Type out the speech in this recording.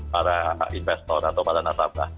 para investor atau para nasabah